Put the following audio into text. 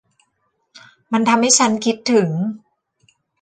มันทำให้ฉันคิดถึง